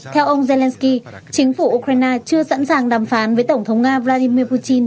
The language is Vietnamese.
theo ông zelensky chính phủ ukraine chưa sẵn sàng đàm phán với tổng thống nga vladimir putin